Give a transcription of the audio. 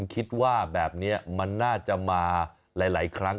คิดว่าแบบนี้มันน่าจะมาหลายครั้ง